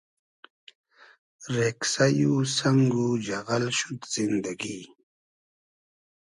رېگسݷ و سئنگ و جئغئل شود زیندئگی